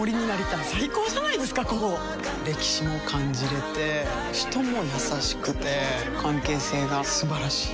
歴史も感じれて人も優しくて関係性が素晴らしい。